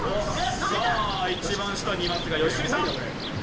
さあ一番下にいますが良純さん。